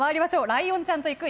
ライオンちゃんと行く！